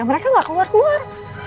mereka gak keluar keluar